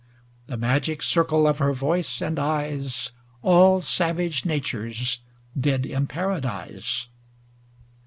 The magic circle of her voice and eyes All savage natures did imparadise.